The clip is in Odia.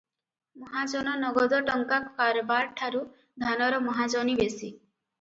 ମହାଜନ ନଗଦ ଟଙ୍କା କାରବାର ଠାରୁ ଧାନର ମହାଜନୀ ବେଶି ।